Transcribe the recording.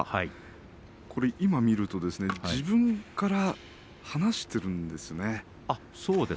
今、見ると自分から離しているんですよね。